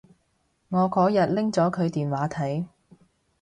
我嗰日拎咗佢電話睇